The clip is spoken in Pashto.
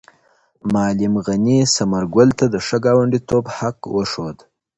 معلم غني ثمر ګل ته د ښه ګاونډیتوب حق وښود.